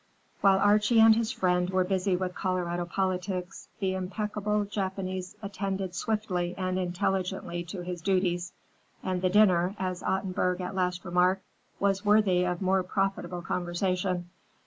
While Archie and his friend were busy with Colorado politics, the impeccable Japanese attended swiftly and intelligently to his duties, and the dinner, as Ottenburg at last remarked, was worthy of more profitable conversation.